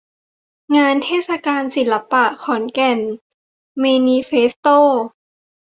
งานเทศกาลศิลปะ ขอนแก่นเมนิเฟสโต้